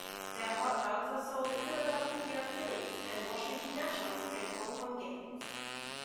Their hot dogs are sold at Philadelphia Phillies and Washington Nationals baseball home games.